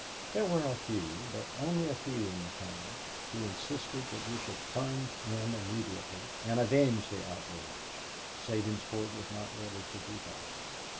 There were a few, but only a few in the town, who insisted that we should plunge in immediately and avenge the outrage. Sabinsport was not ready to do that.